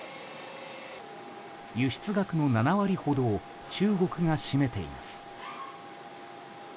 輸出額の７割ほどを中国が占めています。